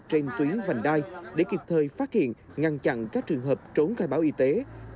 trên tuyến vành đai để kịp thời phát hiện ngăn chặn các trường hợp trốn khai báo y tế